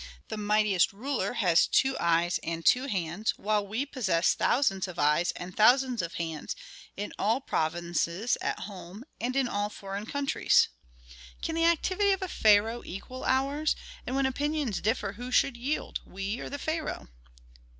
The mightiest ruler has two eyes and two hands, while we possess thousands of eyes and thousands of hands in all provinces at home, and in all foreign countries. "Can the activity of a pharaoh equal ours; and when opinions differ who should yield, we or the pharaoh?"